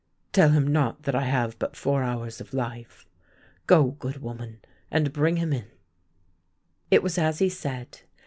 Tell him not that I have but four hours of life. Go, good woman, and bring him in." It was as he said.